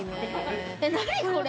何これ。